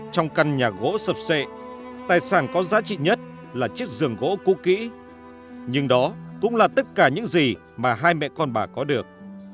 trong căn nhà gỗ sập sệ tài sản có giá trị nhất là chiếc giường gỗ kỹ nhưng đó cũng là tất cả những gì mà hai mẹ con bà có được